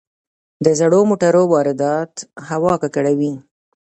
د زړو موټرو واردات هوا ککړوي.